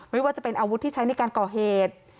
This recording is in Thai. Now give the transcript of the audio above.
ไม่ว่าจะเป็นอาวุธที่ใช้ในการก่อเหตุ